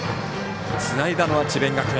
つないだのは智弁学園。